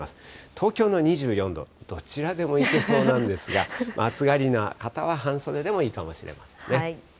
東京の２４度、どちらでもいけそうなんですが、暑がりな方は、半袖でもいいかもしれませんね。